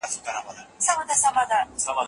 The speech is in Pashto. هر دولت باید خپلواکي ولري.